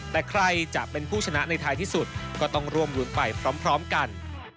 แต่ใครจะเป็นผู้ชนะในท้ายที่สุดก็ต้องร่วมรุ้นไปพร้อมกัน